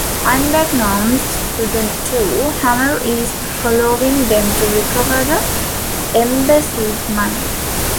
Unbeknownst to the two, Hummel is following them to recover the embezzled money.